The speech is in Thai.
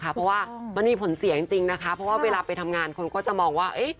เพราะว่ามันมีผลเสียจริงนะคะเพราะว่าเวลาไปทำงานคนก็จะมองว่า